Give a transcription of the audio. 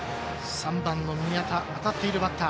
３番の宮田当たっているバッター。